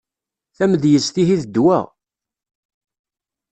Tamedyezt ihi d ddwa.